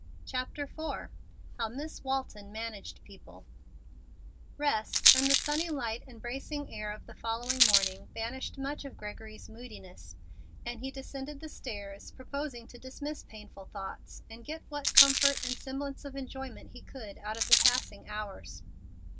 CHAPTER IV HOW MISS WALTON MANAGED PEOPLE Rest, and the sunny light and bracing air of the following morning, banished much of Gregory's moodiness, and he descended the stairs proposing to dismiss painful thoughts and get what comfort and semblance of enjoyment he could out of the passing hours.